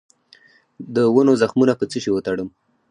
د ونو زخمونه په څه شي وتړم؟